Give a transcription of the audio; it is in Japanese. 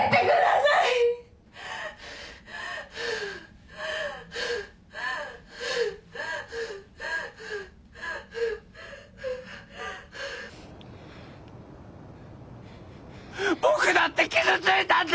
はぁ僕だって傷ついたんだ！